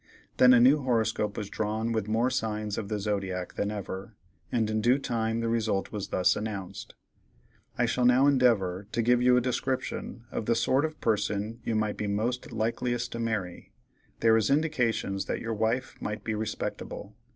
Then a new horoscope was drawn with more signs of the zodiac than ever, and in due time the result was thus announced: "I shall now endeavor to give you a description of the sort of person you might be most likeliest to marry. There is indications that your wife might be respectable.